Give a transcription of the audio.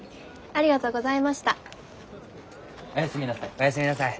おやすみなさい。